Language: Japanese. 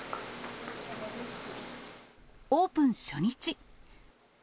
オープン初日。